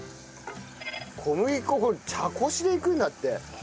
小麦粉これ茶漉しでいくんだって。